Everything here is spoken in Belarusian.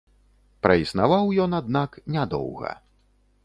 Праіснаваў ён, аднак, не доўга.